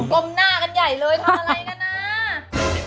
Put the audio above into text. มหน้ากันใหญ่เลยทำอะไรกันนะ